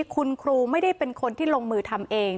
คุณครูไม่ได้เป็นคนที่ลงมือทำเอง